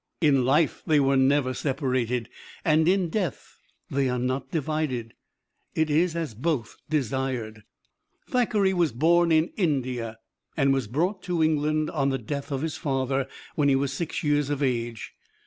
In life they were never separated, and in death they are not divided. It is as both desired. Thackeray was born in India, and was brought to England on the death of his father, when he was six years of age.